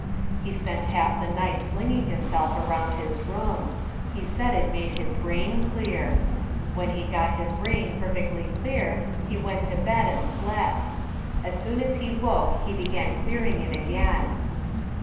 He spent half the night slinging himself around his room. He said it made his brain clear. When he got his brain perfectly clear, he went to bed and slept. As soon as he woke, he began clearing it again.